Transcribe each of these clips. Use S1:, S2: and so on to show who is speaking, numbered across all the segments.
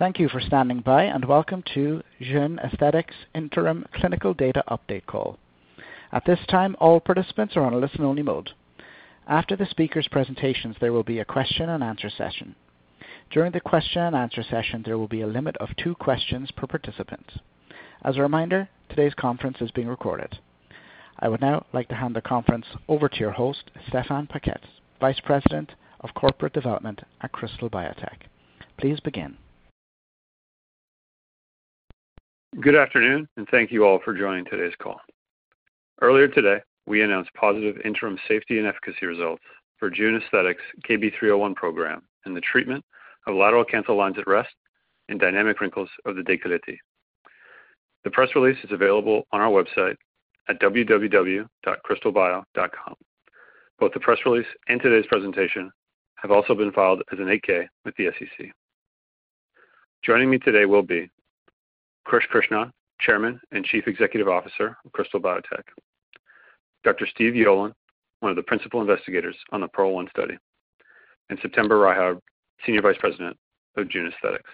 S1: Thank for standing by, and welcome to Jeune Aesthetics Interim Clinical Data Update Call. At this time, all participants are on a listen-only mode. After the speakers' presentations, there will be a question-and-answer session. During the question-and-answer session, there will be a limit of two questions per participant. As a reminder, today's conference is being recorded. I would now like to hand the conference over to your host, Stéphane Paquette, Vice President of Corporate Development at Krystal Biotech. Please begin.
S2: Good afternoon, and thank you all for joining today's call. Earlier today, we announced positive interim safety and efficacy results for Jeune Aesthetics' KB301 program in the treatment of lateral canthal lines at rest and dynamic wrinkles of the décolleté. The press release is available on our website at www.krystalbio.com. Both the press release and today's presentation have also been filed as an 8-K with the SEC. Joining me today will be Krish Krishnan, Chairman and Chief Executive Officer of Krystal Biotech, Dr. Steve Yoelin, one of the principal investigators on the PEARL-1 study, and September Riharb, Senior Vice President of Jeune Aesthetics.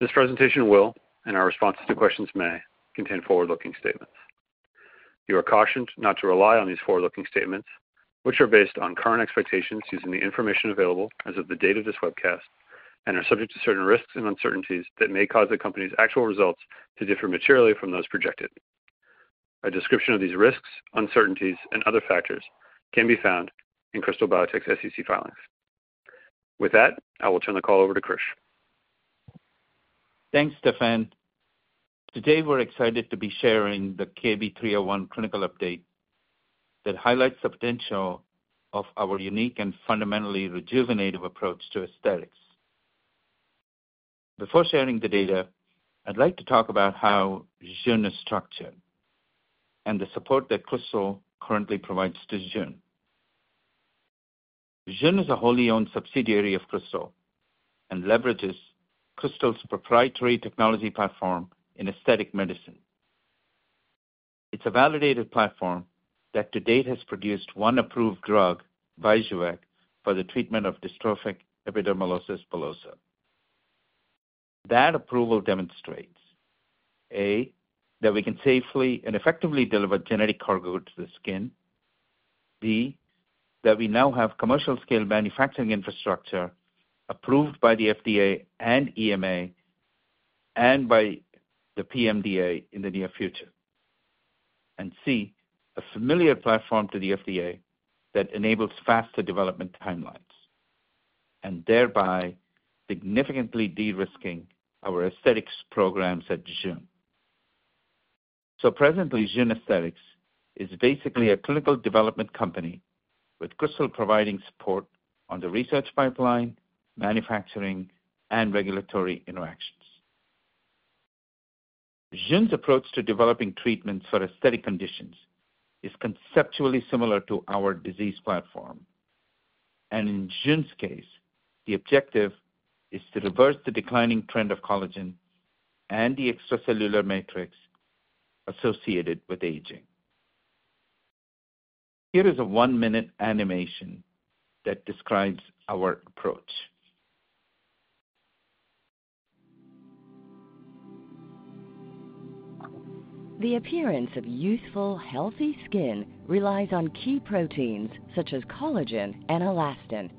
S2: This presentation will, and our responses to questions may, contain forward-looking statements. You are cautioned not to rely on these forward-looking statements, which are based on current expectations using the information available as of the date of this webcast and are subject to certain risks and uncertainties that may cause the company's actual results to differ materially from those projected. A description of these risks, uncertainties, and other factors can be found in Krystal Biotech's SEC filings. With that, I will turn the call over to Krish.
S3: Thanks, Stéphane. Today, we're excited to be sharing the KB301 clinical update that highlights the potential of our unique and fundamentally rejuvenative approach to aesthetics. Before sharing the data, I'd like to talk about how Jeune is structured and the support that Krystal currently provides to Jeune. Jeune is a wholly owned subsidiary of Krystal and leverages Krystal's proprietary technology platform in aesthetic medicine. It's a validated platform that to date has produced one approved drug, Vyjuvek, for the treatment of dystrophic epidermolysis bullosa. That approval demonstrates, A, that we can safely and effectively deliver genetic cargo to the skin, B, that we now have commercial-scale manufacturing infrastructure approved by the FDA and EMA and by the PMDA in the near future, and C, a familiar platform to the FDA that enables faster development timelines and thereby significantly de-risking our aesthetics programs at Jeune. Presently, Jeune Aesthetics is basically a clinical development company, with Krystal providing support on the research pipeline, manufacturing, and regulatory interactions. Jeune's approach to developing treatments for aesthetic conditions is conceptually similar to our disease platform, and in Jeune's case, the objective is to reverse the declining trend of collagen and the extracellular matrix associated with aging. Here is a one-minute animation that describes our approach.
S4: The appearance of youthful, healthy skin relies on key proteins such as collagen and elastin.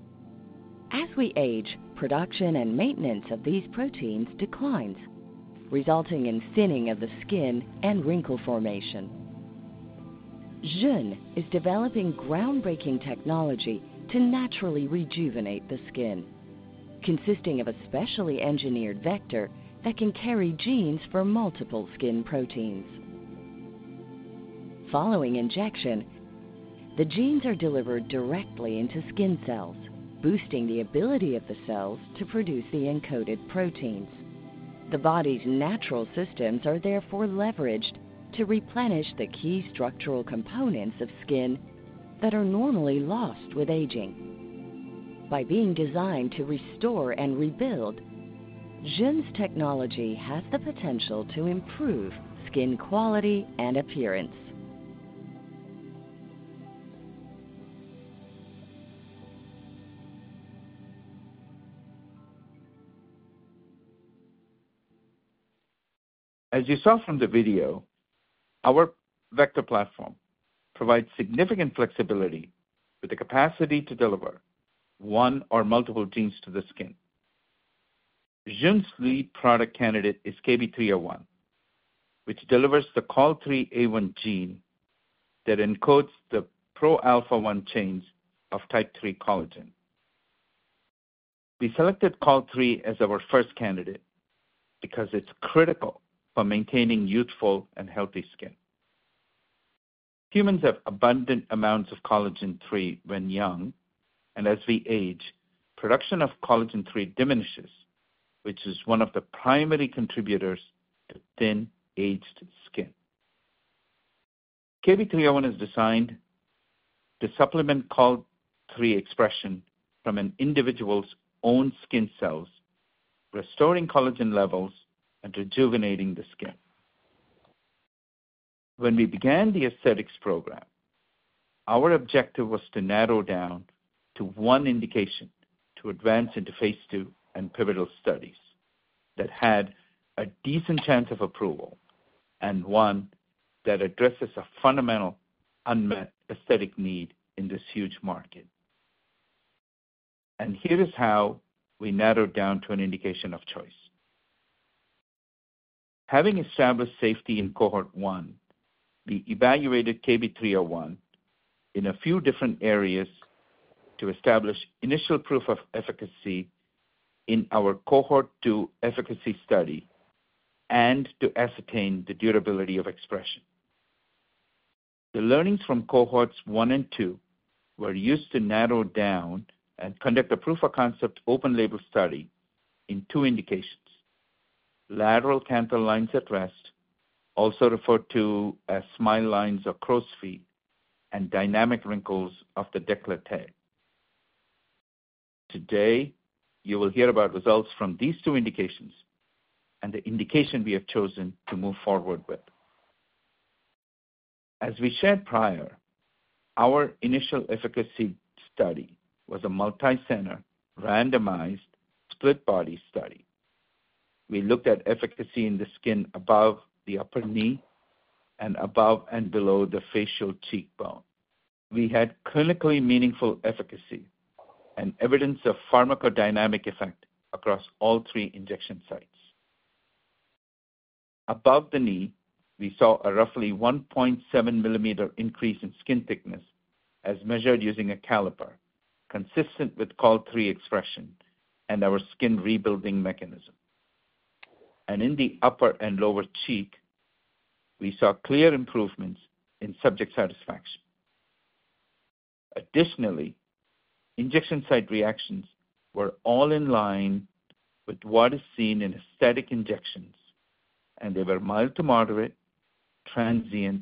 S4: As we age, production and maintenance of these proteins declines, resulting in thinning of the skin and wrinkle formation. Jeune is developing groundbreaking technology to naturally rejuvenate the skin, consisting of a specially engineered vector that can carry genes for multiple skin proteins. Following injection, the genes are delivered directly into skin cells, boosting the ability of the cells to produce the encoded proteins. The body's natural systems are therefore leveraged to replenish the key structural components of skin that are normally lost with aging. By being designed to restore and rebuild, Jeune's technology has the potential to improve skin quality and appearance.
S3: As you saw from the video, our vector platform provides significant flexibility with the capacity to deliver one or multiple genes to the skin. Jeune's lead product candidate is KB301, which delivers the COL3A1 gene that encodes the pro-alpha-1 chains of type 3 collagen. We selected COL3 as our first candidate because it's critical for maintaining youthful and healthy skin. Humans have abundant amounts of Collagen Type 3 when young, and as we age, production of Collagen Type 3 diminishes, which is one of the primary contributors to thin-aged skin. KB301 is designed to supplement COL3 expression from an individual's own skin cells, restoring collagen levels and rejuvenating the skin. When we began the aesthetics program, our objective was to narrow down to one indication, to advance into Phase II and pivotal studies that had a decent chance of approval and one that addresses a fundamental unmet aesthetic need in this huge market. And here is how we narrowed down to an indication of choice. Having established safety in cohort I, we evaluated KB301 in a few different areas to establish initial proof of efficacy in our cohort II efficacy study and to ascertain the durability of expression. The learnings from cohorts I and cohort II were used to narrow down and conduct a proof-of-concept open label study in two indications: lateral canthal lines at rest, also referred to as smile lines or crow's feet, and dynamic wrinkles of the décolleté. Today, you will hear about results from these two indications and the indication we have chosen to move forward with. As we shared prior, our initial efficacy study was a multicenter, randomized, split-body study. We looked at efficacy in the skin above the upper knee and above and below the facial cheekbone. We had clinically meaningful efficacy and evidence of pharmacodynamic effect across all three injection sites. Above the knee, we saw a roughly 1.7 mm increase in skin thickness, as measured using a caliper, consistent with COL3 expression and our skin rebuilding mechanism, and in the upper and lower cheek, we saw clear improvements in subject satisfaction. Additionally, injection site reactions were all in line with what is seen in aesthetic injections, and they were mild to moderate, transient,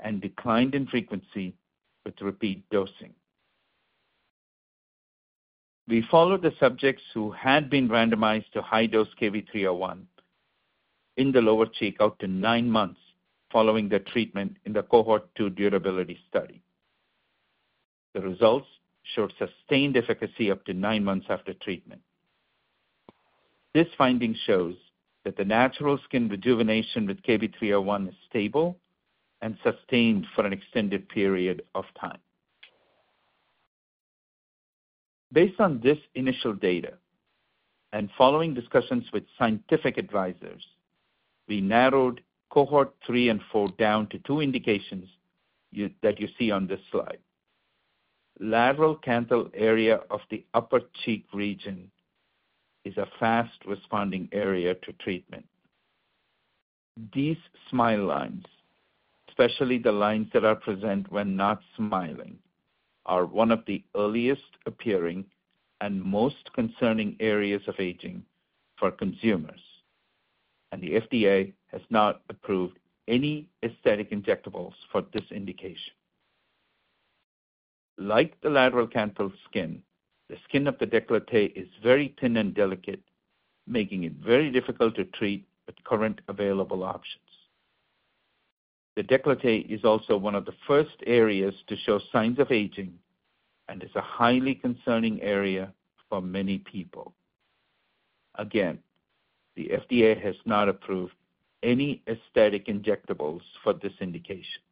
S3: and declined in frequency with repeat dosing. We followed the subjects who had been randomized to high-dose KB301 in the lower cheek up to nine months following the treatment in the cohort II durability study. The results showed sustained efficacy up to nine months after treatment. This finding shows that the natural skin rejuvenation with KB301 is stable and sustained for an extended period of time. Based on this initial data and following discussions with scientific advisors, we narrowed cohort III and cohort IV down to two indications that you see on this slide. Lateral canthal area of the upper cheek region is a fast-responding area to treatment. These smile lines, especially the lines that are present when not smiling, are one of the earliest appearing and most concerning areas of aging for consumers, and the FDA has not approved any aesthetic injectables for this indication. Like the lateral canthal skin, the skin of the décolleté is very thin and delicate, making it very difficult to treat with current available options. The décolleté is also one of the first areas to show signs of aging and is a highly concerning area for many people. Again, the FDA has not approved any aesthetic injectables for this indication.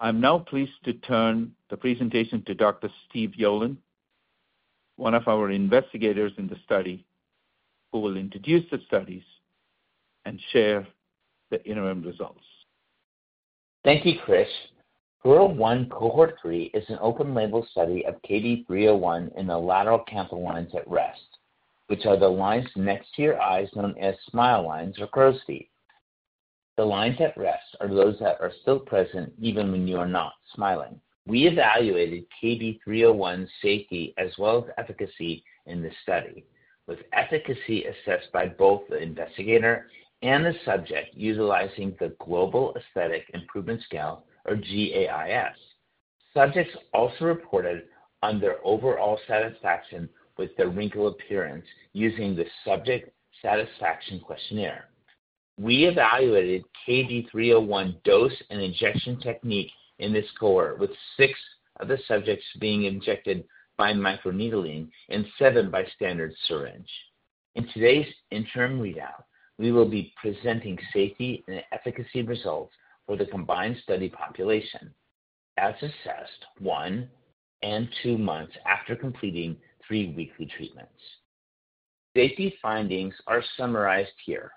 S3: I'm now pleased to turn the presentation to Dr. Steve Yoelin, one of our investigators in the study, who will introduce the studies and share the interim results.
S5: Thank you, Krish. PEARL-1, cohort III, is an open-label study of KB301 in the lateral canthal lines at rest, which are the lines next to your eyes, known as smile lines or crow's feet. The lines at rest are those that are still present even when you are not smiling. We evaluated KB301 safety as well as efficacy in this study, with efficacy assessed by both the investigator and the subject, utilizing the Global Aesthetic Improvement Scale, or GAIS. Subjects also reported on their overall satisfaction with their wrinkle appearance using the Subject Satisfaction Questionnaire. We evaluated KB301 dose and injection technique in this cohort, with six of the subjects being injected by microneedling and seven by standard syringe. In today's interim readout, we will be presenting safety and efficacy results for the combined study population, as assessed one and two months after completing three weekly treatments. Safety findings are summarized here.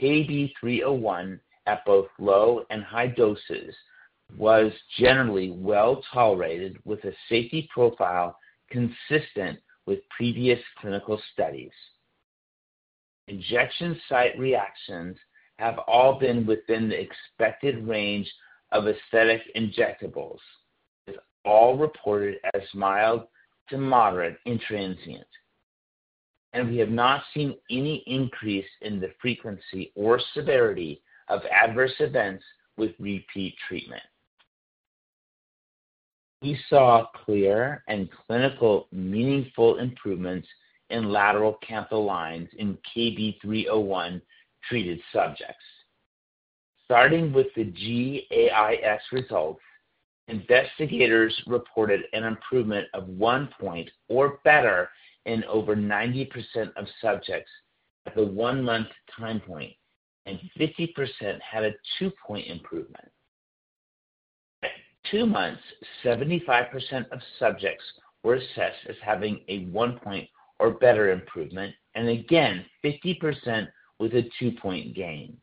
S5: KB301, at both low and high doses, was generally well-tolerated, with a safety profile consistent with previous clinical studies. Injection site reactions have all been within the expected range of aesthetic injectables, with all reported as mild to moderate and transient, and we have not seen any increase in the frequency or severity of adverse events with repeat treatment. We saw clear and clinically meaningful improvements in lateral canthal lines in KB301-treated subjects. Starting with the GAIS results, investigators reported an improvement of one point or better in over 90% of subjects at the one-month time point, and 50% had a two-point improvement. At two months, 75% of subjects were assessed as having a one-point or better improvement, and again, 50% with a two-point gain.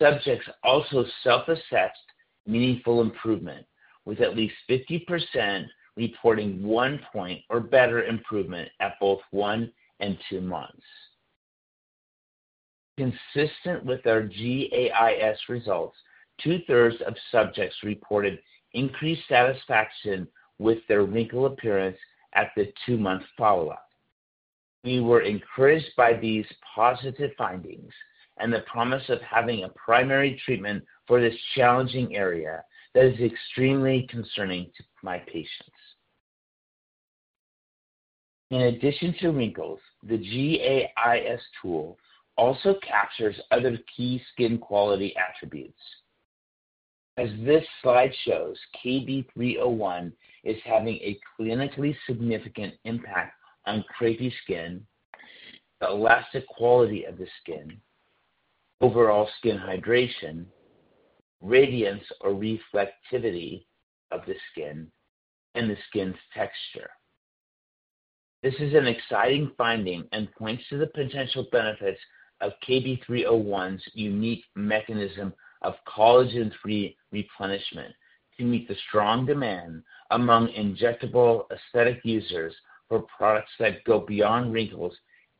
S5: Subjects also self-assessed meaningful improvement, with at least 50% reporting one point or better improvement at both one and two months. Consistent with our GAIS results, 2/3 of subjects reported increased satisfaction with their wrinkle appearance at the two-month follow-up. We were encouraged by these positive findings and the promise of having a primary treatment for this challenging area that is extremely concerning to my patients. In addition to wrinkles, the GAIS tool also captures other key skin quality attributes. As this slide shows, KB301 is having a clinically significant impact on crepey skin, the elastic quality of the skin, overall skin hydration, radiance or reflectivity of the skin, and the skin's texture. This is an exciting finding and points to the potential benefits of KB301's unique mechanism of collagen-free replenishment to meet the strong demand among injectable aesthetic users for products that go beyond wrinkles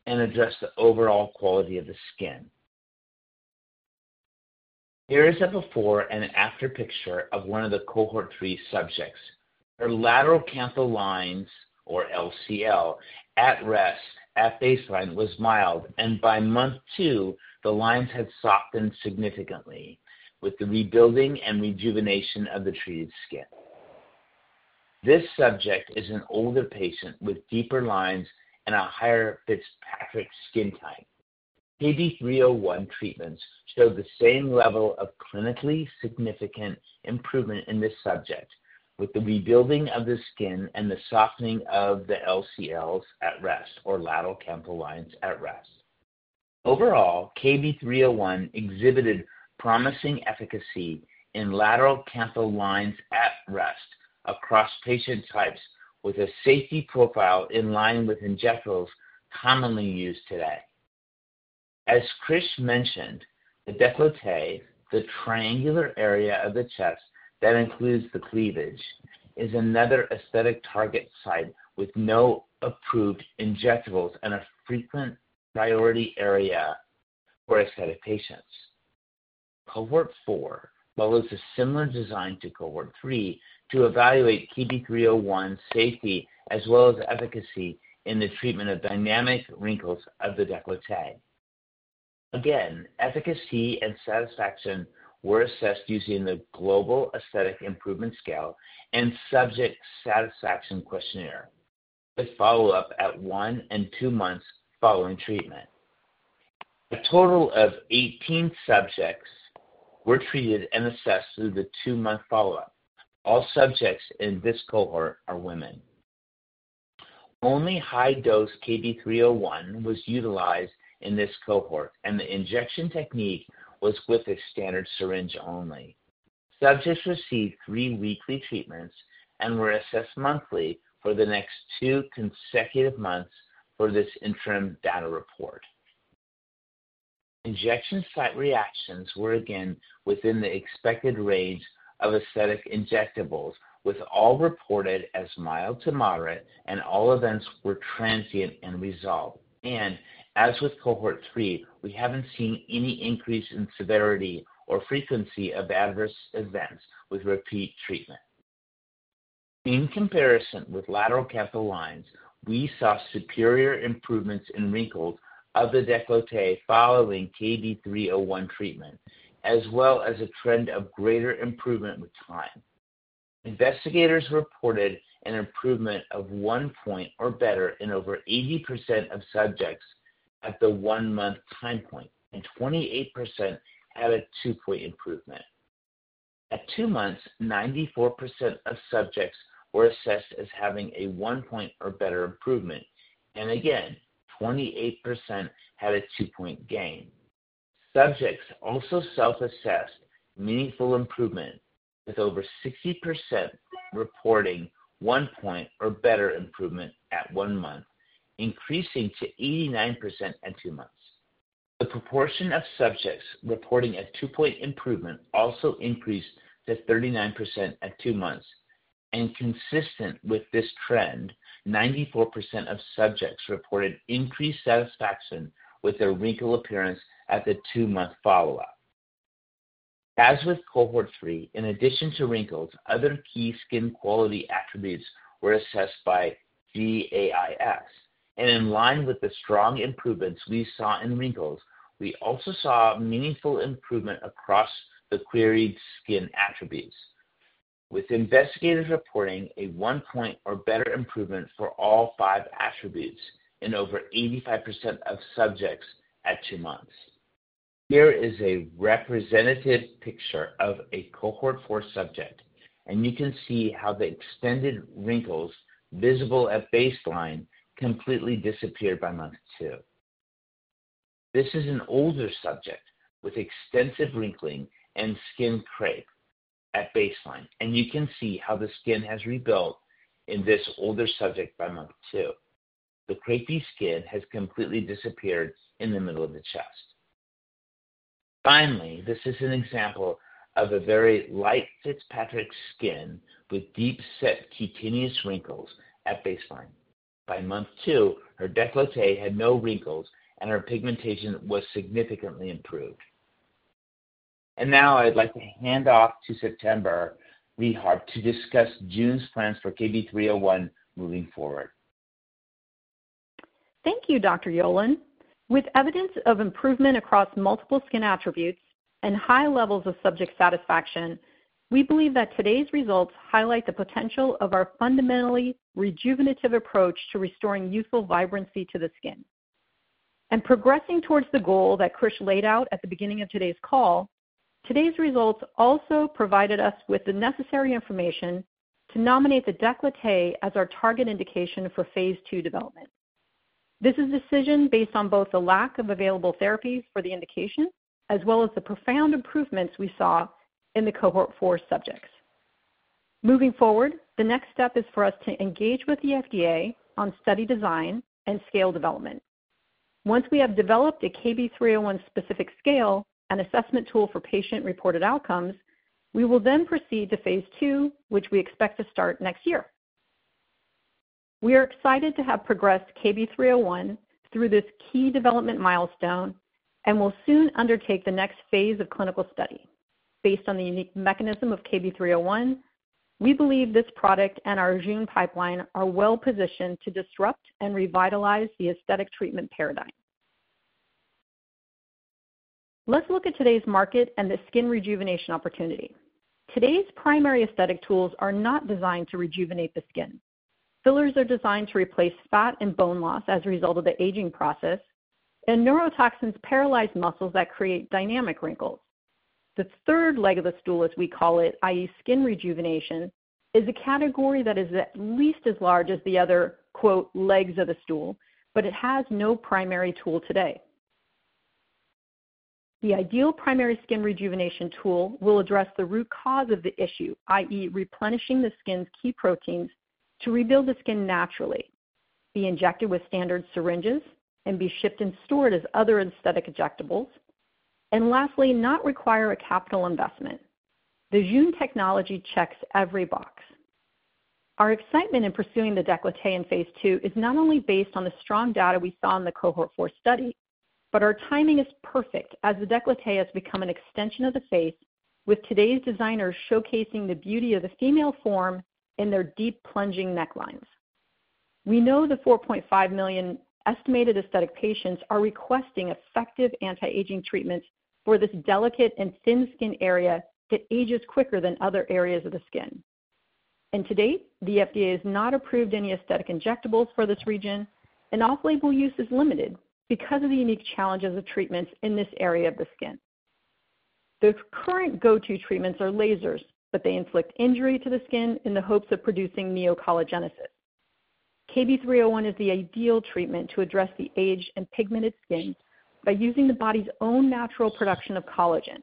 S5: and address the overall quality of the skin. Here is a before and after picture of one of the Cohort III subjects. Her lateral canthal lines, or LCL, at rest at baseline was mild, and by month two, the lines had softened significantly with the rebuilding and rejuvenation of the treated skin. This subject is an older patient with deeper lines and a higher Fitzpatrick skin type. KB301 treatments showed the same level of clinically significant improvement in this subject, with the rebuilding of the skin and the softening of the LCLs at rest, or lateral canthal lines at rest. Overall, KB301 exhibited promising efficacy in lateral canthal lines at rest across patient types with a safety profile in line with injectables commonly used today. As Krish mentioned, the décolleté, the triangular area of the chest that includes the cleavage, is another aesthetic target site with no approved injectables and a frequent priority area for aesthetic patients. Cohort IV follows a similar design to Cohort III to evaluate KB301's safety, as well as efficacy in the treatment of dynamic wrinkles of the décolleté. Again, efficacy and satisfaction were assessed using the Global Aesthetic Improvement Scale and Subject Satisfaction Questionnaire, with follow-up at one and two months following treatment. A total of eighteen subjects were treated and assessed through the two-month follow-up. All subjects in this cohort are women. Only high-dose KB301 was utilized in this cohort, and the injection technique was with a standard syringe only. Subjects received three weekly treatments and were assessed monthly for the next two consecutive months for this interim data report. Injection site reactions were again within the expected range of aesthetic injectables, with all reported as mild to moderate, and all events were transient and resolved, and as with Cohort III, we haven't seen any increase in severity or frequency of adverse events with repeat treatment. In comparison with lateral canthal lines, we saw superior improvements in wrinkles of the décolleté following KB301 treatment, as well as a trend of greater improvement with time. Investigators reported an improvement of one point or better in over 80% of subjects at the one-month time point, and 28% had a two-point improvement. At two months, 94% of subjects were assessed as having a one-point or better improvement, and again, 28% had a two-point gain. Subjects also self-assessed meaningful improvement, with over 60% reporting one point or better improvement at one month, increasing to 89% at two months. The proportion of subjects reporting a two-point improvement also increased to 39% at two months, and consistent with this trend, 94% of subjects reported increased satisfaction with their wrinkle appearance at the two-month follow-up. As with Cohort III, in addition to wrinkles, other key skin quality attributes were assessed by GAIS, and in line with the strong improvements we saw in wrinkles, we also saw meaningful improvement across the queried skin attributes, with investigators reporting a one point or better improvement for all five attributes in over 85% of subjects at two months. Here is a representative picture of a cohort IV subject, and you can see how the extended wrinkles visible at baseline completely disappeared by month two. This is an older subject with extensive wrinkling and crepey skin at baseline, and you can see how the skin has rebuilt in this older subject by month two. The crepey skin has completely disappeared in the middle of the chest. Finally, this is an example of a very light Fitzpatrick skin with deep-set cutaneous wrinkles at baseline. By month two, her décolleté had no wrinkles, and her pigmentation was significantly improved, and now I'd like to hand off to September Riharb to discuss Jeune's plans for KB301 moving forward.
S6: Thank you, Dr. Yoelin. With evidence of improvement across multiple skin attributes and high levels of subject satisfaction, we believe that today's results highlight the potential of our fundamentally rejuvenative approach to restoring youthful vibrancy to the skin, and progressing towards the goal that Krish laid out at the beginning of today's call, today's results also provided us with the necessary information to nominate the décolleté as our target indication for phase II development. This is a decision based on both the lack of available therapies for the indication, as well as the profound improvements we saw in the cohort IV subjects. Moving forward, the next step is for us to engage with the FDA on study design and scale development. Once we have developed a KB301 specific scale and assessment tool for patient-reported outcomes, we will then proceed to phase II, which we expect to start next year. We are excited to have progressed KB301 through this key development milestone and will soon undertake the next phase of clinical study. Based on the unique mechanism of KB301, we believe this product and our Jeune pipeline are well positioned to disrupt and revitalize the aesthetic treatment paradigm. Let's look at today's market and the skin rejuvenation opportunity. Today's primary aesthetic tools are not designed to rejuvenate the skin. Fillers are designed to replace fat and bone loss as a result of the aging process, and neurotoxins paralyze muscles that create dynamic wrinkles. The third leg of the stool, as we call it, i.e., skin rejuvenation, is a category that is at least as large as the other "legs of the stool," but it has no primary tool today. The ideal primary skin rejuvenation tool will address the root cause of the issue, i.e., replenishing the skin's key proteins to rebuild the skin naturally, be injected with standard syringes, and be shipped and stored as other aesthetic injectables, and lastly, not require a capital investment. The gene technology checks every box. Our excitement in pursuing the décolleté in phase II is not only based on the strong data we saw in the cohort IV study, but our timing is perfect, as the décolleté has become an extension of the face, with today's designers showcasing the beauty of the female form in their deep, plunging necklines. We know the 4.5 million estimated aesthetic patients are requesting effective anti-aging treatments for this delicate and thin skin area that ages quicker than other areas of the skin. To date, the FDA has not approved any aesthetic injectables for this region, and off-label use is limited because of the unique challenges of treatments in this area of the skin. The current go-to treatments are lasers, but they inflict injury to the skin in the hopes of producing neocollagenesis. KB301 is the ideal treatment to address the aged and pigmented skin by using the body's own natural production of collagen,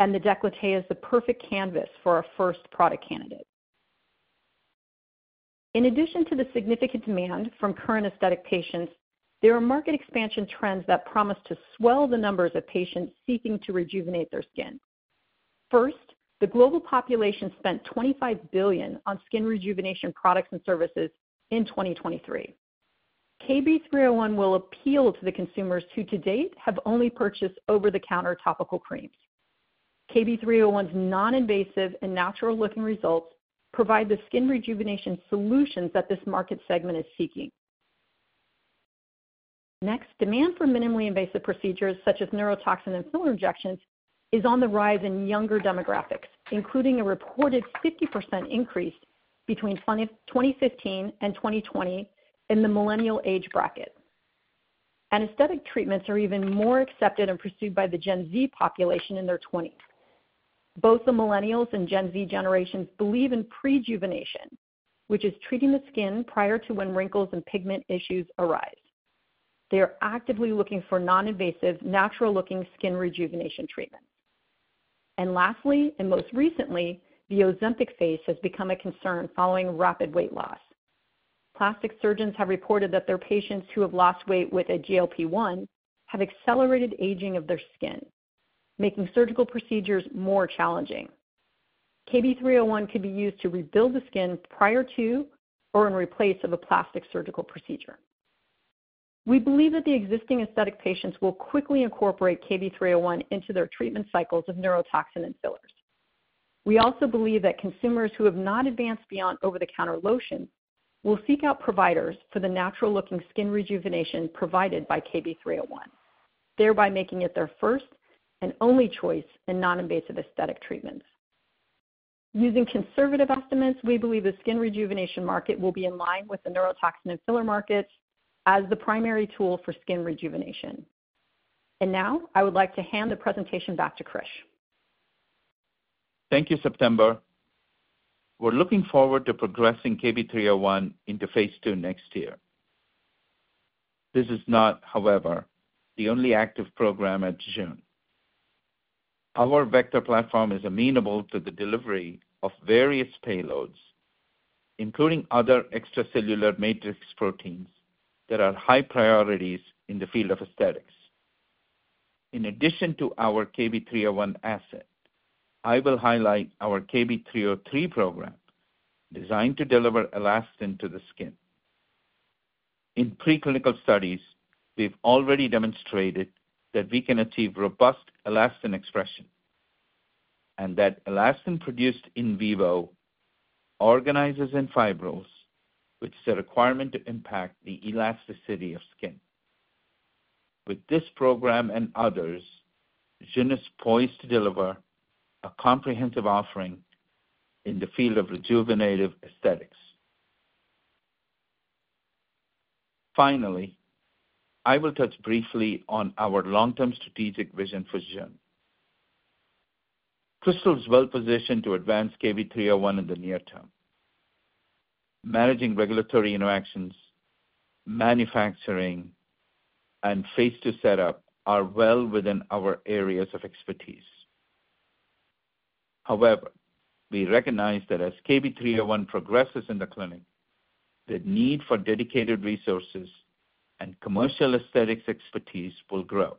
S6: and the décolleté is the perfect canvas for our first product candidate. In addition to the significant demand from current aesthetic patients, there are market expansion trends that promise to swell the numbers of patients seeking to rejuvenate their skin. First, the global population spent $25 billion on skin rejuvenation products and services in 2023. KB301 will appeal to the consumers who to date, have only purchased over-the-counter topical creams. KB301's non-invasive and natural-looking results provide the skin rejuvenation solutions that this market segment is seeking. Next, demand for minimally invasive procedures, such as neurotoxin and filler injections, is on the rise in younger demographics, including a reported 50% increase between 2015 and 2020 in the millennial age bracket, and aesthetic treatments are even more accepted and pursued by the Gen Z population in their twenties. Both the millennials and Gen Z generations believe in prejuvenation, which is treating the skin prior to when wrinkles and pigment issues arise. They are actively looking for non-invasive, natural-looking skin rejuvenation treatments, and lastly, and most recently, the Ozempic face has become a concern following rapid weight loss. Plastic surgeons have reported that their patients who have lost weight with a GLP-1 have accelerated aging of their skin, making surgical procedures more challenging. KB301 could be used to rebuild the skin prior to or in place of a plastic surgical procedure. We believe that the existing aesthetic patients will quickly incorporate KB301 into their treatment cycles of neurotoxin and fillers. We also believe that consumers who have not advanced beyond over-the-counter lotion will seek out providers for the natural-looking skin rejuvenation provided by KB301, thereby making it their first and only choice in non-invasive aesthetic treatments. Using conservative estimates, we believe the skin rejuvenation market will be in line with the neurotoxin and filler markets as the primary tool for skin rejuvenation. And now, I would like to hand the presentation back to Krish.
S3: Thank you, September. We're looking forward to progressing KB301 into phase II next year. This is not, however, the only active program at Jeune. Our vector platform is amenable to the delivery of various payloads, including other extracellular matrix proteins that are high priorities in the field of aesthetics. In addition to our KB301 asset, I will highlight our KB303 program, designed to deliver elastin to the skin. In preclinical studies, we've already demonstrated that we can achieve robust elastin expression, and that elastin produced in vivo organizes and fibrous, which is a requirement to impact the elasticity of skin. With this program and others, Jeune is poised to deliver a comprehensive offering in the field of rejuvenative aesthetics. Finally, I will touch briefly on our long-term strategic vision for Jeune. Krystal is well-positioned to advance KB301 in the near term. Managing regulatory interactions, manufacturing, and phase II setup are well within our areas of expertise. However, we recognize that as KB301 progresses in the clinic, the need for dedicated resources and commercial aesthetics expertise will grow.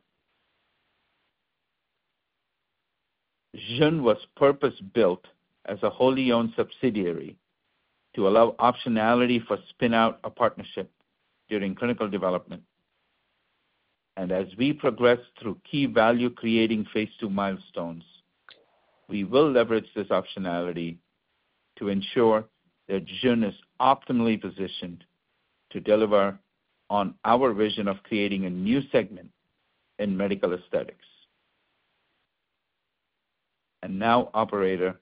S3: Jeune was purpose-built as a wholly owned subsidiary to allow optionality for spin-out or a partnership during clinical development. And as we progress through key value-creating phase II milestones, we will leverage this optionality to ensure that Jeune is optimally positioned to deliver on our vision of creating a new segment in medical aesthetics. And now, operator,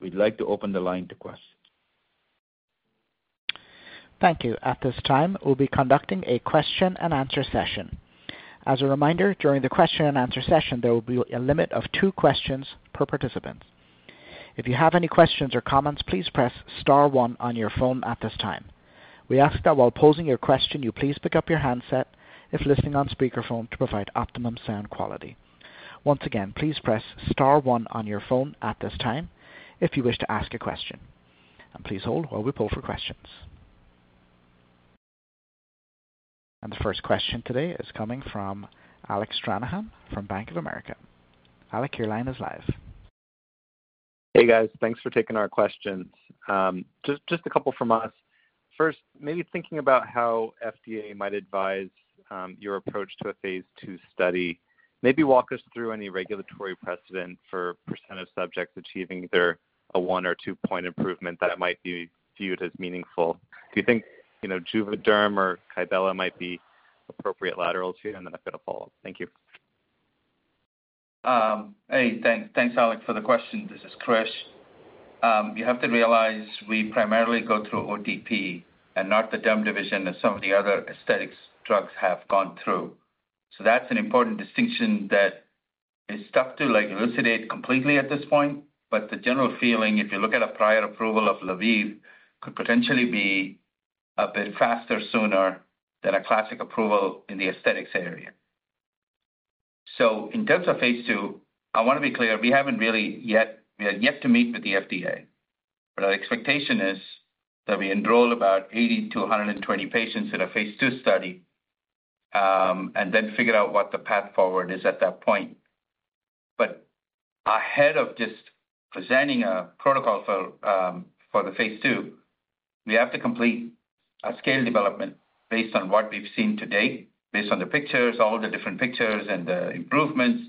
S3: we'd like to open the line to questions.
S1: Thank you. At this time, we'll be conducting a question-and-answer session. As a reminder, during the question-and-answer session, there will be a limit of two questions per participant. If you have any questions or comments, please press star one on your phone at this time. We ask that while posing your question, you please pick up your handset if listening on speaker phone to provide optimum sound quality. Once again, please press star one on your phone at this time if you wish to ask a question, and please hold while we pull for questions, and the first question today is coming from Alec Stranahan from Bank of America. Alex, your line is live.
S7: Hey, guys. Thanks for taking our questions. Just a couple from us. First, maybe thinking about how FDA might advise your approach to a phase II study. Maybe walk us through any regulatory precedent for percent of subjects achieving either a one or two point improvement that it might be viewed as meaningful. Do you think, you know, Juvederm or Kybella might be appropriate analogs here? And then I've got a follow-up. Thank you.
S3: Hey, thanks. Thanks, Alex, for the question. This is Krish. You have to realize we primarily go through OTP and not the derm division as some of the other aesthetics drugs have gone through. So that's an important distinction that is tough to, like, elucidate completely at this point. But the general feeling, if you look at a prior approval of LaViv, could potentially be a bit faster, sooner than a classic approval in the aesthetics area. So in terms of phase II, I want to be clear, we haven't really yet, we have yet to meet with the FDA. But our expectation is that we enroll about 80-120 patients in a phase II study, and then figure out what the path forward is at that point. But ahead of just presenting a protocol for the phase II, we have to complete a scale development based on what we've seen to date, based on the pictures, all the different pictures and the improvements.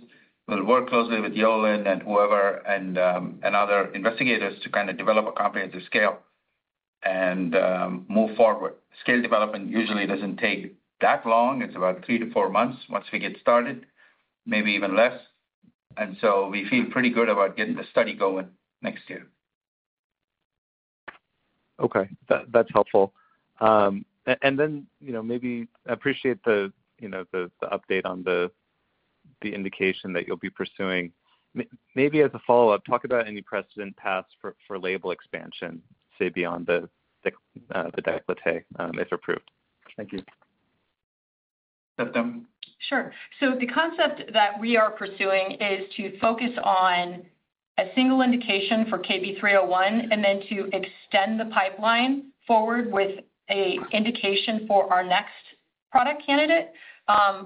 S3: We'll work closely with Yoelin and whoever and other investigators to kind of develop a comprehensive scale and move forward. Scale development usually doesn't take that long. It's about three to four months once we get started, maybe even less. And so we feel pretty good about getting the study going next year.
S7: Okay, that's helpful. Then, you know, maybe appreciate the, you know, the update on the indication that you'll be pursuing. Maybe as a follow-up, talk about any precedent paths for label expansion, say, beyond the dystrophic EB, if approved. Thank you.
S3: September?
S6: Sure. So the concept that we are pursuing is to focus on a single indication for KB301, and then to extend the pipeline forward with an indication for our next product candidate.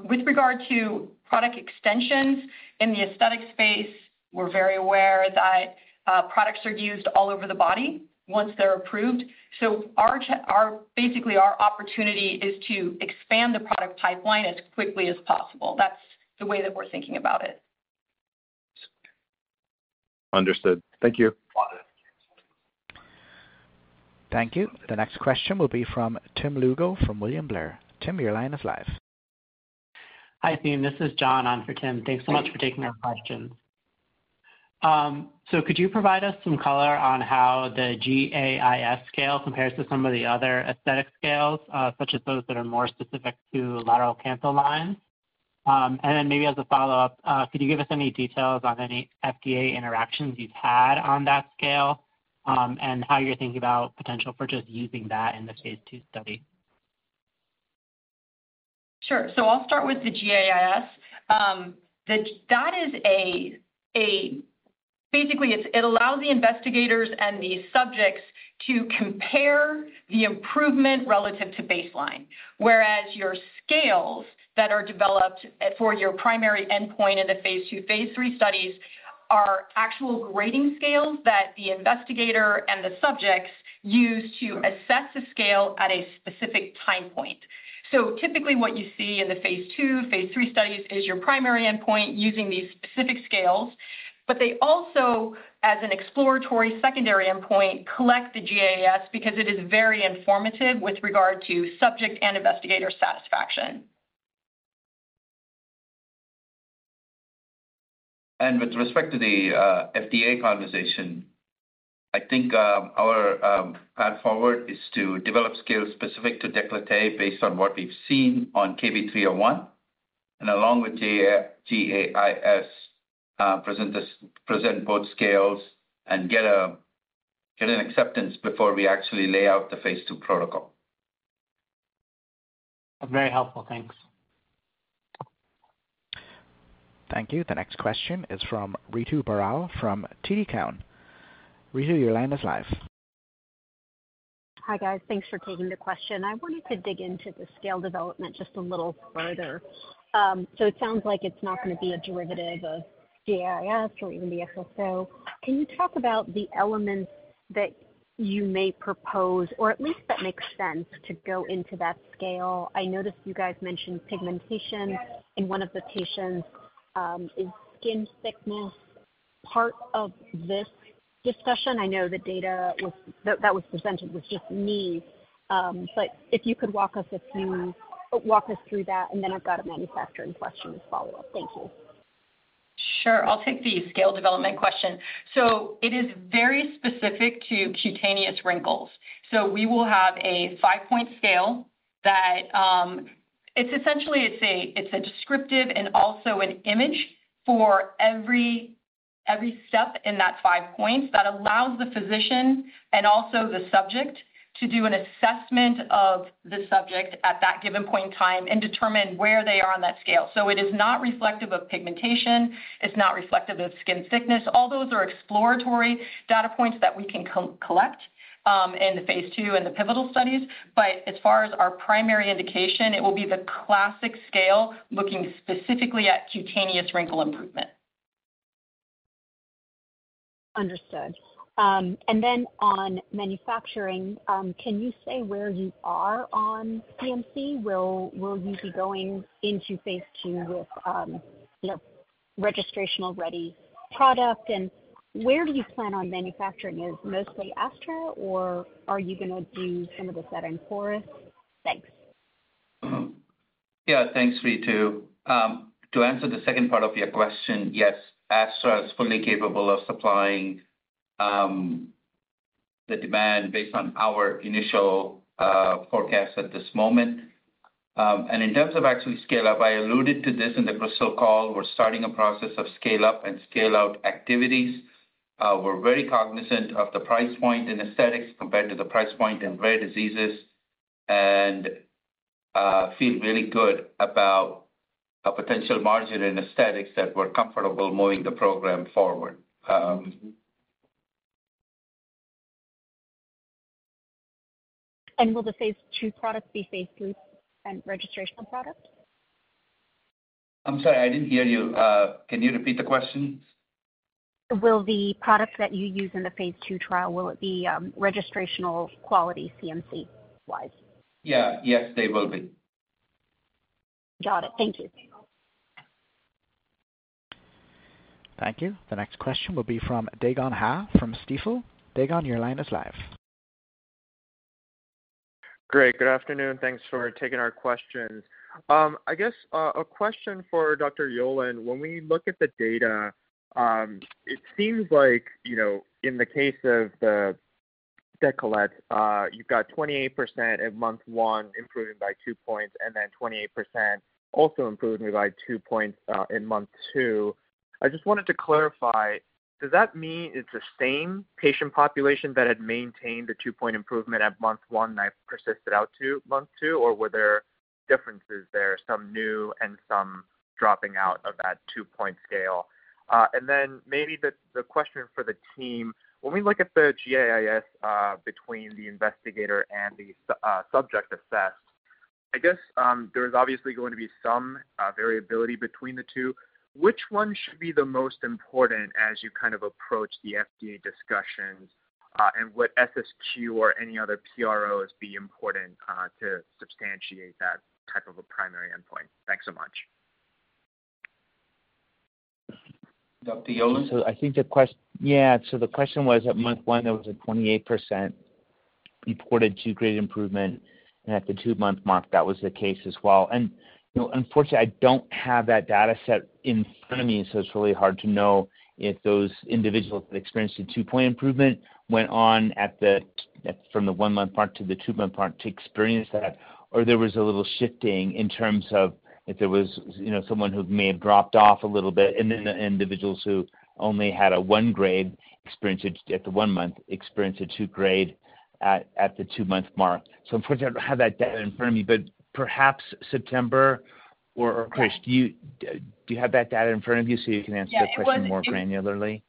S6: With regard to product extensions in the aesthetic space, we're very aware that products are used all over the body once they're approved. So, basically, our opportunity is to expand the product pipeline as quickly as possible. That's the way that we're thinking about it.
S7: Understood. Thank you.
S1: Thank you. The next question will be from Tim Lugo from William Blair. Tim, your line is live.
S8: Hi, team. This is John on for Tim. Thanks so much for taking our questions. So could you provide us some color on how the GAIS scale compares to some of the other aesthetic scales, such as those that are more specific to lateral canthal lines? And then maybe as a follow-up, could you give us any details on any FDA interactions you've had on that scale, and how you're thinking about potential for just using that in the phase II study?
S6: Sure. So I'll start with the GAIS. That is basically it allows the investigators and the subjects to compare the improvement relative to baseline, whereas your scales that are developed for your primary endpoint in the phase II, phase III studies are actual grading scales that the investigator and the subjects use to assess the scale at a specific time point. So typically, what you see in the phase II, phase III studies is your primary endpoint using these specific scales, but they also as an exploratory secondary endpoint, collect the GAIS because it is very informative with regard to subject and investigator satisfaction.
S3: And with respect to the FDA conversation, I think our path forward is to develop scales specific to décolleté based on what we've seen on KB301, and along with GAIS, present both scales and get an acceptance before we actually lay out the phase II protocol.
S8: Very helpful. Thanks.
S1: Thank you. The next question is from Ritu Baral from TD Cowen. Ritu, your line is live.
S9: Hi, guys. Thanks for taking the question. I wanted to dig into the scale development just a little further. So it sounds like it's not gonna be a derivative of GAIS or even the FSO. Can you talk about the elements that you may propose, or at least that makes sense to go into that scale? I noticed you guys mentioned pigmentation in one of the patients. Is skin thickness part of this discussion? I know the data that was presented was just knee, but if you could walk us through that, and then I've got a manufacturing question as follow-up. Thank you.
S6: Sure. I'll take the scale development question. So it is very specific to cutaneous wrinkles. So we will have a five-point scale that it's essentially a descriptive and also an image for every step in that five points that allows the physician and also the subject to do an assessment of the subject at that given point in time and determine where they are on that scale. So it is not reflective of pigmentation. It's not reflective of skin thickness. All those are exploratory data points that we can co-collect in the phase two and the pivotal studies. But as far as our primary indication, it will be the classic scale, looking specifically at cutaneous wrinkle improvement.
S9: Understood. And then on manufacturing, can you say where you are on CMC? Will you be going into phase II with, you know, registrational ready product? And where do you plan on manufacturing it? Mostly ASTRA, or are you gonna do some of this at Ancoris? Thanks.
S3: Yeah, thanks, Ritu. To answer the second part of your question, yes, ASTRA is fully capable of supplying the demand based on our initial forecast at this moment. In terms of actually scale-up, I alluded to this in the Bristol call. We're starting a process of scale-up and scale-out activities. We're very cognizant of the price point in aesthetics compared to the price point in rare diseases, and feel really good about a potential margin in aesthetics that we're comfortable moving the program forward.
S9: Will the phase II product be phase III and registrational product?
S3: I'm sorry, I didn't hear you. Can you repeat the question?
S9: Will the products that you use in the phase II trial, will it be, registrational quality CMC wise?
S3: Yeah. Yes, they will be.
S9: Got it. Thank you.
S1: Thank you. The next question will be from Dae Gon Ha, from Stifel. Dae Gon, your line is live.
S10: Great. Good afternoon. Thanks for taking our questions. I guess, a question for Dr. Yoelin. When we look at the data, it seems like, you know, in the case of the décolleté, you've got 28% at month one, improving by two points, and then 28% also improving by two points, in month two. I just wanted to clarify, does that mean it's the same patient population that had maintained the two-point improvement at month one and persisted out to month two? Or were there differences there, some new and some dropping out of that two-point scale? And then maybe the, the question for the team. When we look at the GAIS, between the investigator and the subject assessed, I guess, there is obviously going to be some, variability between the two. Which one should be the most important as you kind of approach the FDA discussions, and would SSQ or any other PROs be important to substantiate that type of a primary endpoint? Thanks so much.
S1: Dr. Yoelin?
S5: So I think the question was, at month one, there was a 28% reported two-grade improvement, and at the two-month mark, that was the case as well. And, you know, unfortunately, I don't have that data set in front of me, so it's really hard to know if those individuals that experienced a two-point improvement went on from the one-month mark to the two-month mark to experience that, or there was a little shifting in terms of if there was, you know, someone who may have dropped off a little bit, and then the individuals who only had a one grade experienced it at the one-month, experienced a two grade at the two-month mark. So unfortunately, I don't have that data in front of me, but perhaps September or Krish, do you have that data in front of you so you can answer the question more granularly?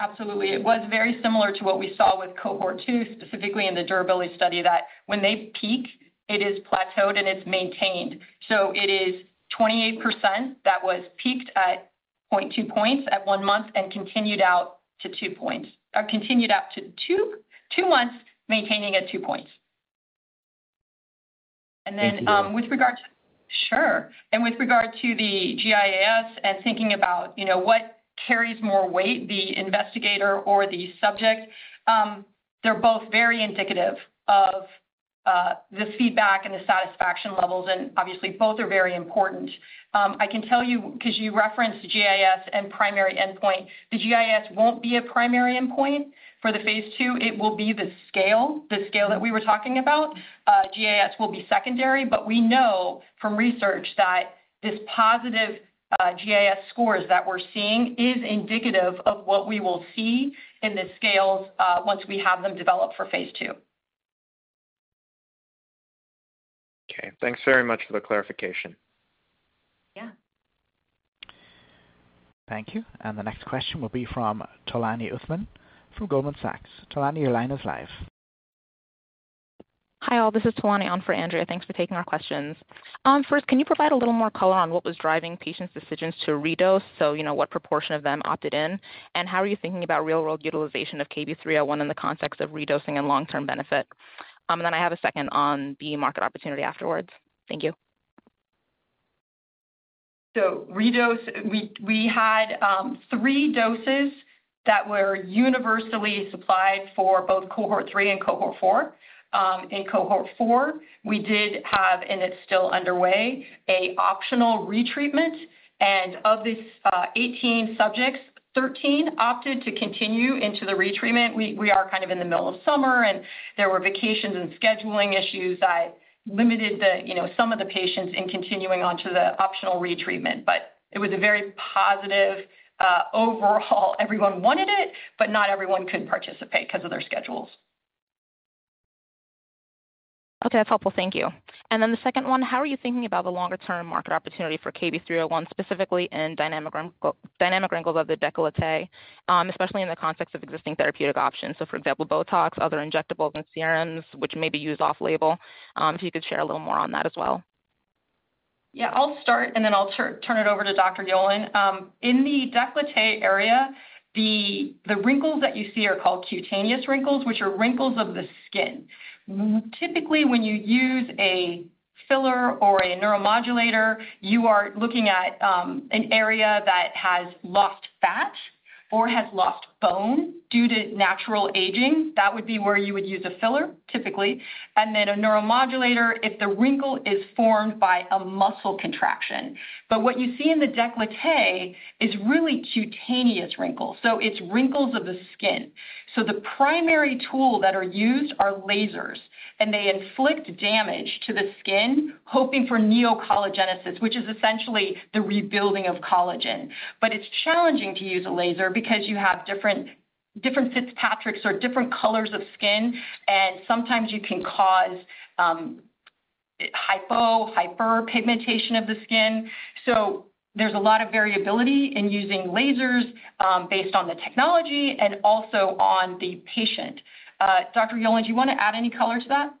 S5: Absolutely. It was very similar to what we saw with cohort II, specifically in the durability study, that when they peak, it is plateaued, and it's maintained, so it is 28% that was peaked at two points at one month and continued out to two points or continued out to two months, maintaining at two points.
S10: Thank you.
S6: Sure! And with regard to the GIAS and thinking about, you know, what carries more weight, the investigator or the subject, they're both very indicative of the feedback and the satisfaction levels, and obviously, both are very important. I can tell you, 'cause you referenced GIAS and primary endpoint, the GIAS won't be a primary endpoint for the phase II. It will be the scale, the scale that we were talking about. GIAS will be secondary, but we know from research that this positive GIAS scores that we're seeing is indicative of what we will see in the scales, once we have them developed for phase II.
S10: Okay, thanks very much for the clarification.
S6: Yeah.
S1: Thank you. And the next question will be from Tolani Othman, from Goldman Sachs. Tolani, your line is live.
S11: Hi, all. This is Tolani on for Andrea. Thanks for taking our questions. First, can you provide a little more color on what was driving patients' decisions to redose? So, you know, what proportion of them opted in, and how are you thinking about real-world utilization of KB301 in the context of redosing and long-term benefit? Then I have a second on the market opportunity afterwards. Thank you.
S6: So redose, we had three doses that were universally supplied for both cohort III and cohort IV. In cohort IV, we did have, and it's still underway, a optional retreatment, and of these 18 subjects, 13 opted to continue into the retreatment. We are kind of in the middle of summer, and there were vacations and scheduling issues that limited the you know some of the patients in continuing on to the optional retreatment, but it was a very positive overall. Everyone wanted it, but not everyone could participate 'cause of their schedules.
S11: Okay, that's helpful. Thank you. And then the second one, how are you thinking about the longer-term market opportunity for KB301, specifically in dynamic wrinkles of the décolleté, especially in the context of existing therapeutic options? So for example, Botox, other injectables and serums, which may be used off label. If you could share a little more on that as well.
S6: Yeah, I'll start, and then I'll turn it over to Dr. Yoelin. In the décolleté area, the wrinkles that you see are called cutaneous wrinkles, which are wrinkles of the skin. Typically, when you use a filler or a neuromodulator, you are looking at an area that has lost fat or has lost bone due to natural aging. That would be where you would use a filler, typically, and then a neuromodulator if the wrinkle is formed by a muscle contraction. But what you see in the décolleté is really cutaneous wrinkles, so it's wrinkles of the skin. So the primary tool that are used are lasers, and they inflict damage to the skin, hoping for neocollagenesis, which is essentially the rebuilding of collagen. But it's challenging to use a laser because you have different Fitzpatrick or different colors of skin, and sometimes you can cause hypo, hyperpigmentation of the skin. So there's a lot of variability in using lasers based on the technology and also on the patient. Dr. Yoelin, do you want to add any color to that?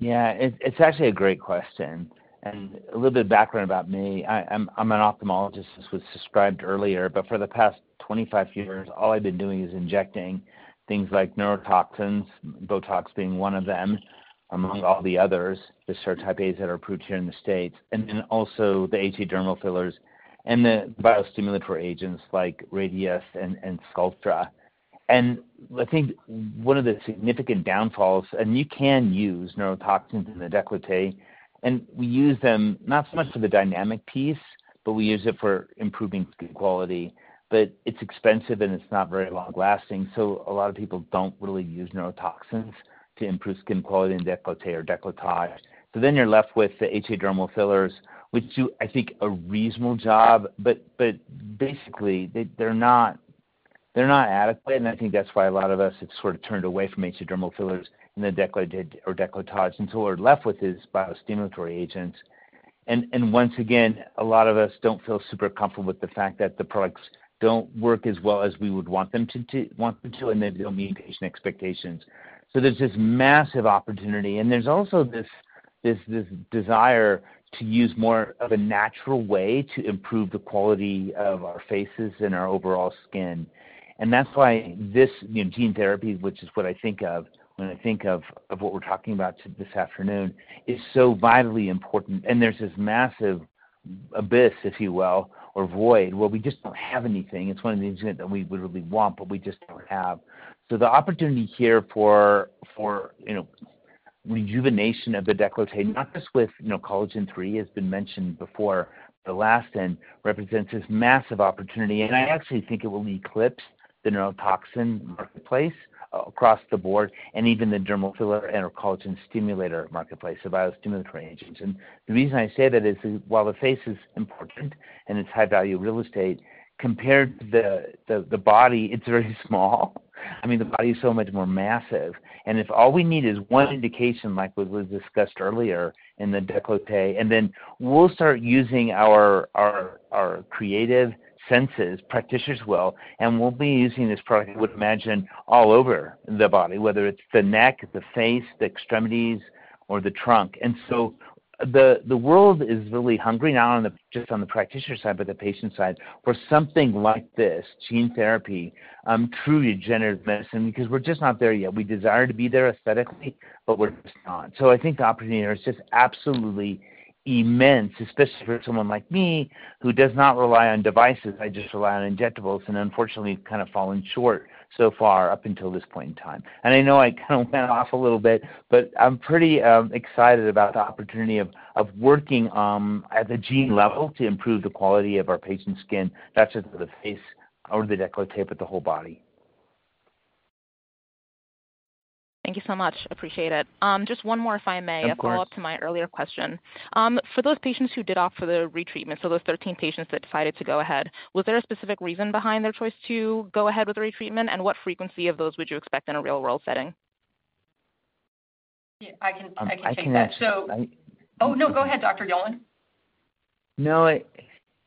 S5: Yeah. It's actually a great question. And a little bit of background about me. I'm an ophthalmologist, as was described earlier, but for the past twenty-five years, all I've been doing is injecting things like neurotoxins, Botox being one of them, among all the others, the serotypes that are approved here in the States, and then also the HA dermal fillers and the biostimulatory agents like Radiesse and Sculptra. And I think one of the significant downfalls, and you can use neurotoxins in the décolleté, and we use them not so much for the dynamic piece, but we use it for improving skin quality. But it's expensive, and it's not very long-lasting, so a lot of people don't really use neurotoxins to improve skin quality in décolleté or décolletage. Then you're left with the HA dermal fillers, which do, I think, a reasonable job, but basically, they're not adequate, and I think that's why a lot of us have sort of turned away from HA dermal fillers in the décolleté or décolletage, and so we're left with these biostimulatory agents. Once again, a lot of us don't feel super comfortable with the fact that the products don't work as well as we would want them to, and they don't meet patient expectations. There's this massive opportunity, and there's also this desire to use more of a natural way to improve the quality of our faces and our overall skin. That's why this, you know, gene therapy, which is what I think of when I think of what we're talking about this afternoon, is so vitally important, and there's this massive abyss, if you will, or void, where we just don't have anything. It's one of the things that we literally want, but we just don't have. So the opportunity here for, you know, rejuvenation of the décolleté, not just with, you know, Collagen III, has been mentioned before, but elastin represents this massive opportunity, and I actually think it will eclipse the neurotoxin marketplace across the board, and even the dermal filler and collagen stimulator marketplace, the biostimulatory agents. And the reason I say that is, while the face is important and it's high-value real estate, compared to the body, it's very small. I mean, the body is so much more massive. And if all we need is one indication, like what was discussed earlier in the décolleté, and then we'll start using our creative senses, practitioners will, and we'll be using this product, I would imagine, all over the body, whether it's the neck, the face, the extremities, or the trunk. And so the world is really hungry now just on the practitioner side, but the patient side, for something like this, gene therapy, true regenerative medicine, because we're just not there yet. We desire to be there aesthetically, but we're just not. So I think the opportunity here is just absolutely immense, especially for someone like me, who does not rely on devices. I just rely on injectables, and unfortunately, kind of fallen short so far up until this point in time. And I know I kind of went off a little bit, but I'm pretty excited about the opportunity of working at the gene level to improve the quality of our patient's skin, not just the face or the décolleté, but the whole body.
S11: Thank you so much. Appreciate it. Just one more, if I may
S5: Of course.
S11: A follow-up to my earlier question. For those patients who did opt for the retreatment, so those 13 patients that decided to go ahead, was there a specific reason behind their choice to go ahead with the retreatment? And what frequency of those would you expect in a real-world setting?
S6: Yeah, I can take that.
S5: I can-
S6: Oh, no, go ahead, Dr. Yoelin.
S5: No,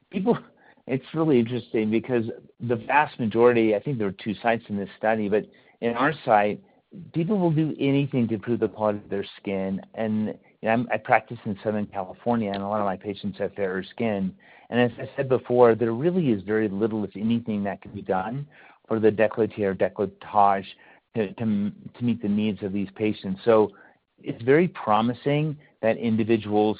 S5: people, it's really interesting because the vast majority, I think there are two sites in this study, but in our site, people will do anything to improve the quality of their skin, and I practice in Southern California, and a lot of my patients have fairer skin, and as I said before, there really is very little, if anything, that can be done for the décolleté or décolletage to meet the needs of these patients, so it's very promising that individuals,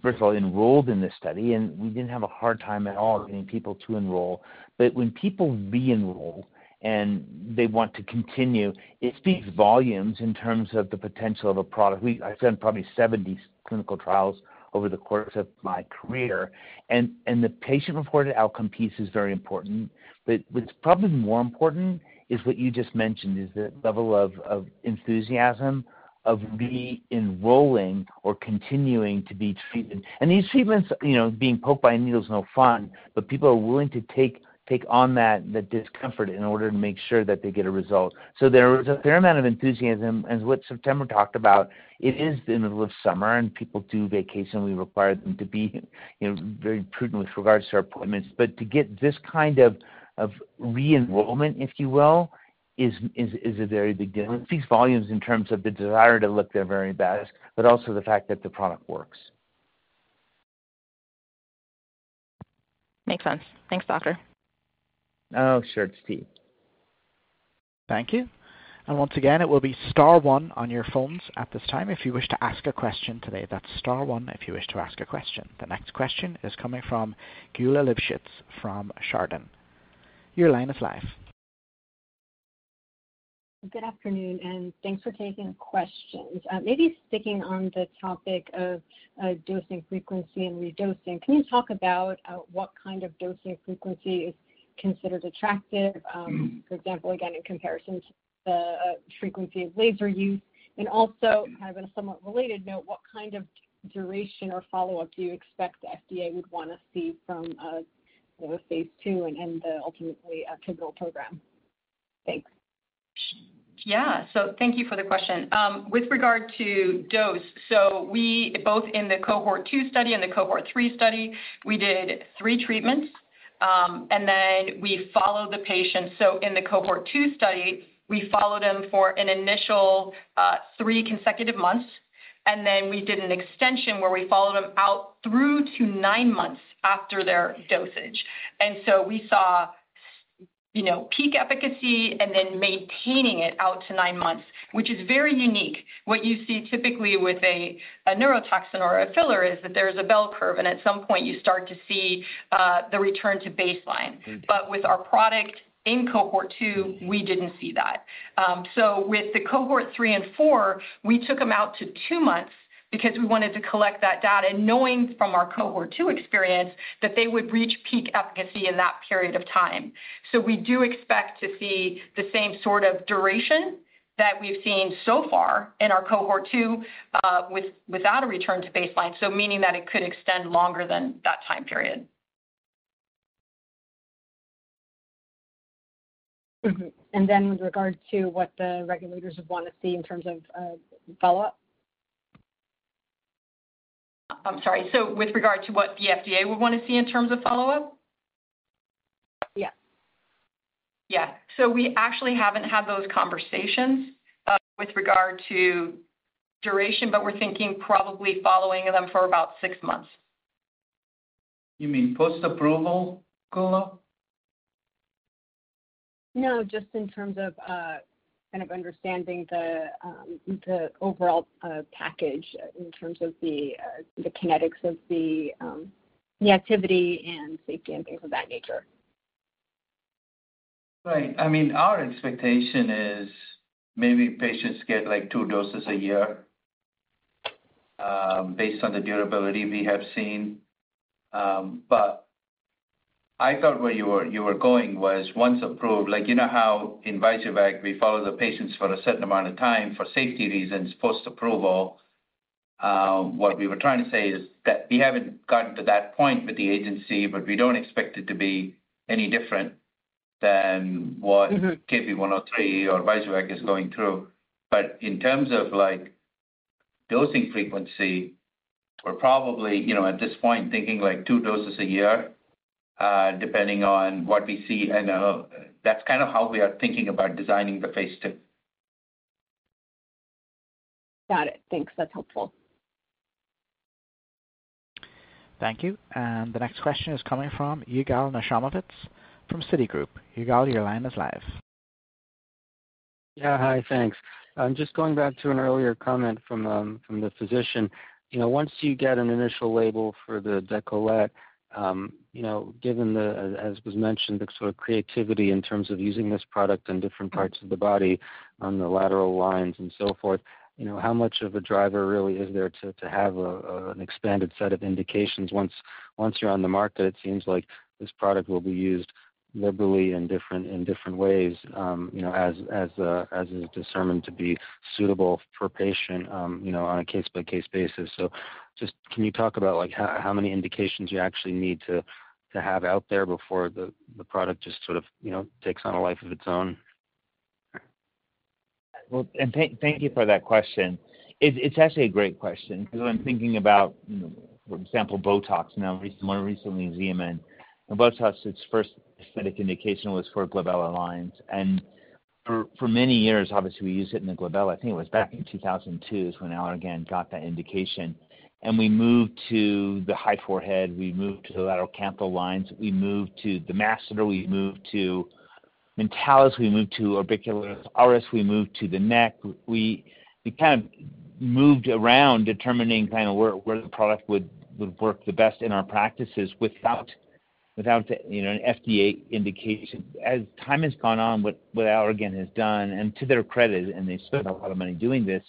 S5: first of all, enrolled in this study, and we didn't have a hard time at all getting people to enroll, but when people re-enroll and they want to continue, it speaks volumes in terms of the potential of a product. I've done probably 70 clinical trials over the course of my career, and the patient-reported outcome piece is very important. But what's probably more important is what you just mentioned, is the level of enthusiasm of re-enrolling or continuing to be treated. And these treatments, you know, being poked by a needle is no fun, but people are willing to take on that discomfort in order to make sure that they get a result. So there was a fair amount of enthusiasm, as what September talked about. It is in the middle of summer, and people do vacation. We require them to be, you know, very prudent with regards to our appointments. But to get this kind of re-enrollment, if you will, is a very big deal. It speaks volumes in terms of the desire to look their very best, but also the fact that the product works.
S11: Makes sense. Thanks, Doctor.
S5: Oh, sure. It's Steve.
S1: Thank you, and once again, it will be star one on your phones at this time if you wish to ask a question today. That's star one if you wish to ask a question. The next question is coming from Geulah Livshits from Chardan. Your line is live.
S12: Good afternoon, and thanks for taking questions. Maybe sticking on the topic of dosing frequency and redosing, can you talk about what kind of dosing frequency is considered attractive? For example, again, in comparison to the frequency of laser use, and also kind of in a somewhat related note, what kind of duration or follow-up do you expect the FDA would want to see from, you know, phase II and ultimately, a clinical program? Thanks.
S6: Yeah. So thank you for the question. With regard to dose, so we, both in the cohort II study and the cohort III study, we did three treatments, and then we followed the patients. So in the cohort II study, we followed them for an initial three consecutive months, and then we did an extension where we followed them out through to nine months after their dosage. And so we saw, you know, peak efficacy and then maintaining it out to nine months, which is very unique. What you see typically with a neurotoxin or a filler is that there is a bell curve, and at some point you start to see the return to baseline.
S5: Mm-hmm.
S6: But with our product in cohort II, we didn't see that. So with the cohort III and cohort IV, we took them out to two months because we wanted to collect that data and knowing from our cohort II experience, that they would reach peak efficacy in that period of time. So we do expect to see the same sort of duration that we've seen so far in our cohort II, without a return to baseline, so meaning that it could extend longer than that time period.
S12: Mm-hmm. And then with regard to what the regulators would want to see in terms of follow-up?
S6: I'm sorry. So with regard to what the FDA would want to see in terms of follow-up?
S12: Yeah.
S6: Yeah. So we actually haven't had those conversations with regard to duration, but we're thinking probably following them for about six months.
S3: You mean post-approval follow-up?
S12: No, just in terms of, kind of understanding the overall package, in terms of the kinetics of the activity and safety and things of that nature.
S3: Right. I mean, our expectation is maybe patients get, like, two doses a year, based on the durability we have seen. But I thought where you were going was once approved, like, you know how in Vyjuvek, we follow the patients for a certain amount of time for safety reasons, post-approval? What we were trying to say is that we haven't gotten to that point with the agency, but we don't expect it to be any different than what-
S12: Mm-hmm.
S3: KB103 or Vyjuvek is going through. But in terms of, like, dosing frequency, we're probably, you know, at this point, thinking, like, two doses a year, depending on what we see. And that's kind of how we are thinking about designing the phase II.
S12: Got it. Thanks. That's helpful.
S1: Thank you, and the next question is coming from Yigal Nochomovitz from Citigroup. Yigal, your line is live.
S13: Yeah, hi. Thanks. I'm just going back to an earlier comment from the physician. You know, once you get an initial label for the décolleté, you know, given the, as was mentioned, the sort of creativity in terms of using this product in different parts of the body, on the lateral lines and so forth, you know, how much of a driver really is there to have a an expanded set of indications? Once you're on the market, it seems like this product will be used liberally in different ways, you know, as is determined to be suitable for a patient, you know, on a case-by-case basis. So just, can you talk about, like, how many indications you actually need to have out there before the product just sort of, you know, takes on a life of its own?
S3: And thank you for that question. It's actually a great question because I'm thinking about, you know, for example, Botox, you know, more recently, Xeomin, and Botox. Its first aesthetic indication was for glabellar lines. And for many years, obviously, we used it in the glabellar. I think it was back in two thousand and two is when Allergan got that indication. And we moved to the high forehead, we moved to the lateral canthal lines, we moved to the masseter, we moved to mentalis, we moved to orbicularis oris, we moved to the neck. We kind of moved around, determining kind of where the product would work the best in our practices without, you know, an FDA indication. As time has gone on, what Allergan has done, and to their credit, and they've spent a lot of money doing this,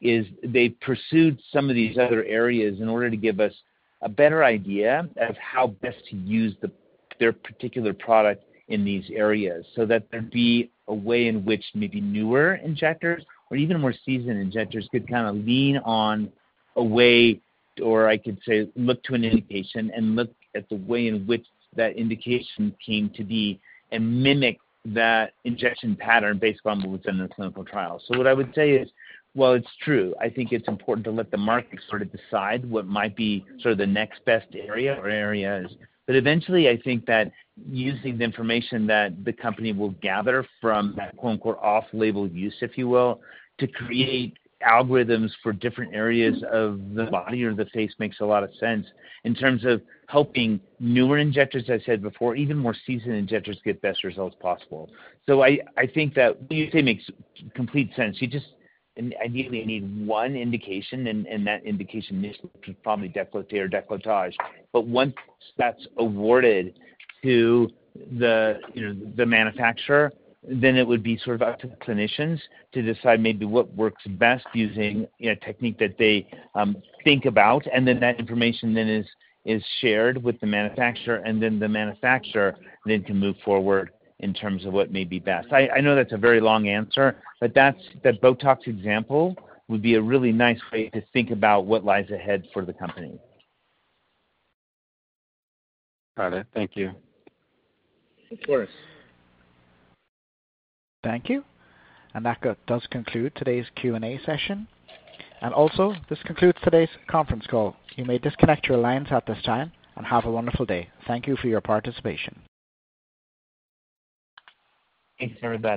S3: is they pursued some of these other areas in order to give us a better idea of how best to use the, their particular product in these areas, so that there'd be a way in which maybe newer injectors or even more seasoned injectors, could kind of lean on a way, or I could say, look to an indication and look at the way in which that indication came to be and mimic that injection pattern based on what was in the clinical trial. So what I would say is, while it's true, I think it's important to let the market sort of decide what might be sort of the next best area or areas, but eventually, I think that using the information that the company will gather from that quote, unquote, "off-label use," if you will, to create algorithms for different areas of the body or the face, makes a lot of sense in terms of helping newer injectors, as I said before, even more seasoned injectors, get best results possible. So I think that what you say makes complete sense. You just ideally need one indication, and that indication is probably décolleté or décolletage. But once that's awarded to the, you know, the manufacturer, then it would be sort of up to the clinicians to decide maybe what works best, using, you know, a technique that they think about, and then that information then is shared with the manufacturer, and then the manufacturer then can move forward in terms of what may be best. I know that's a very long answer, but that's, The Botox example would be a really nice way to think about what lies ahead for the company.
S13: Got it. Thank you.
S3: Of course.
S1: Thank you. And that does conclude today's Q&A session. And also, this concludes today's conference call. You may disconnect your lines at this time, and have a wonderful day. Thank you for your participation.
S2: Thanks, everybody.